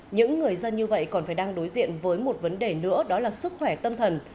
những người dân như vậy còn phải đang đối diện với một vấn đề nữa đó là sức khỏe tâm thần